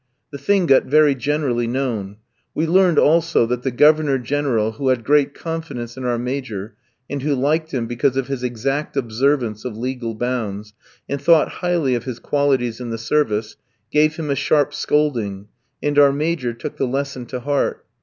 The thing got very generally known. We learned also that the Governor General, who had great confidence in our Major, and who liked him because of his exact observance of legal bounds, and thought highly of his qualities in the service, gave him a sharp scolding. And our Major took the lesson to heart.